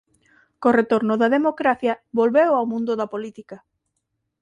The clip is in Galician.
Co retorno da democracia volveu ao mundo da política.